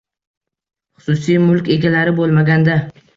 Xususiy mulk egalari bo‘lmaganda...